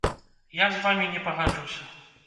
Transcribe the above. Я з вамі не пагаджуся.